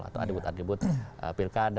atau atribut atribut pilkada